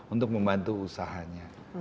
untuk membantu usahanya